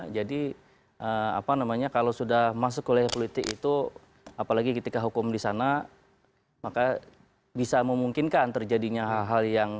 jadi apa namanya kalau sudah masuk oleh politik itu apalagi ketika hukum di sana maka bisa memungkinkan terjadinya hal hal yang